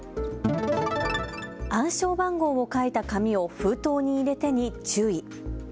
暗証番号を書いた紙を封筒に入れてに注意。